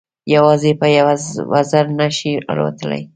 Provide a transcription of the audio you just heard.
یوازې په یوه وزر نه شي الوتلای.